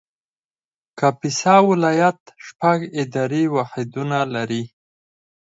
کاپیسا ولایت شپږ اداري واحدونه لري